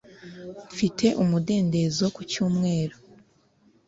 mfite umudendezo ku cyumweru